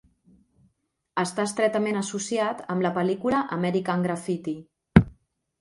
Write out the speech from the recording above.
Està estretament associat amb la pel·lícula "American Graffiti".